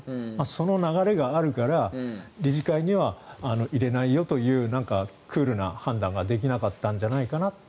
その流れがあるから理事会には入れないよというクールな判断ができなかったんじゃないかなと。